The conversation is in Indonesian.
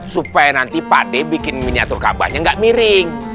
supaya nanti pak d bikin miniatur kaabahnya gak miring